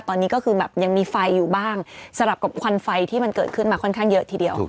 ตอนนี้ก็คือแบบยังมีไฟอยู่บ้างสำหรับกับควันไฟที่มันเกิดขึ้นมาค่อนข้างเยอะทีเดียว